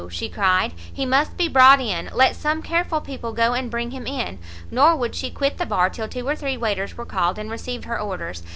she cried; "he must be brought in; let some careful people go and bring him in." Nor would she quit the bar, till two or three waiters were called, and received her orders.